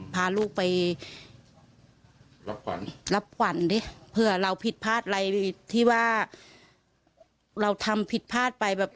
พาลูกไปรับขวัญรับขวัญดิเผื่อเราผิดพลาดอะไรที่ว่าเราทำผิดพลาดไปแบบ